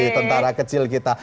tentara kecil kita